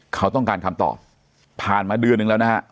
เขาต้องการคำตอบผ่านมาเดือนนึงแล้วนะฮะ